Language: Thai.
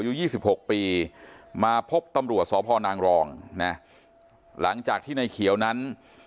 อยู่๒๖ปีมาพบตำรวจสพนางรองหลังจากที่ไน่เขียวนั้น